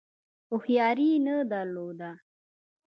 هوښیاري نه درلوده.